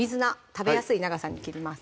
食べやすい長さに切ります